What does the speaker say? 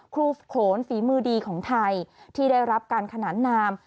โขนฝีมือดีของไทยที่ได้รับการขนานนาม